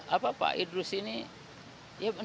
apa pak idrus ini ya